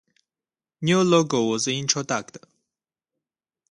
New logo was introduced.